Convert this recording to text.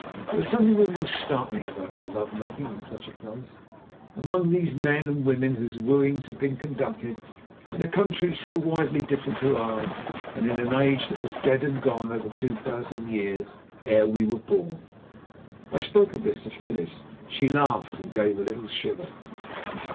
There was something almost startling about our love making in such a place, among these men and women, whose wooings had been conducted in a country so widely different to ours, and in an age that was dead and gone over two thousand years ere we were born. I spoke of this to Phyllis. She laughed and gave a little shiver.